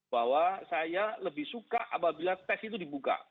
bahwa saya lebih suka apabila tes itu dibuka